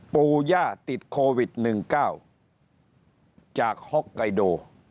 ปู่ย่าติดโควิด๑๙จากฮอกไกโด